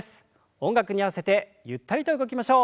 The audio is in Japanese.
音楽に合わせてゆったりと動きましょう。